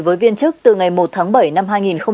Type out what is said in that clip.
với viên chức từ ngày một tháng bảy năm hai nghìn hai mươi